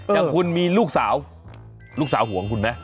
อย่างคุณมีลูกสาวลูกสาวห่วงคุณไหม